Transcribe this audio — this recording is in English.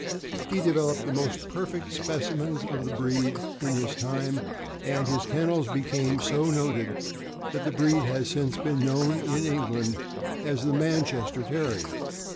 He developed the most perfect specimens of the breed in his time, and his kennels became so noted that the breed has since been known in England as the "Manchester Terrier."